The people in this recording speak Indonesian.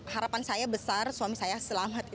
harapan saya besar suami saya selamat